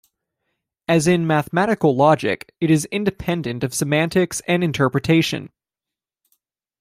As in mathematical logic, it is independent of semantics and interpretation.